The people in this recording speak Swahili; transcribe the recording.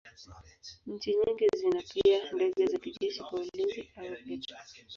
Nchi nyingi zina pia ndege za kijeshi kwa ulinzi au vita.